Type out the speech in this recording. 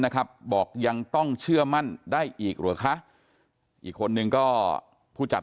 นะครับบอกยังต้องเชื่อมั่นได้อีกเหรอคะอีกคนนึงก็ผู้จัด